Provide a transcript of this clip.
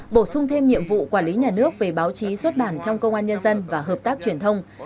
bổ sung thêm nhiệm vụ quản lý nhà nước về báo chí xuất bản trong công an nhân dân và hợp tác truyền thông